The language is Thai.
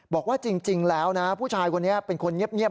บอกว่าจริงแล้วนะผู้ชายคนนี้เป็นคนเงียบ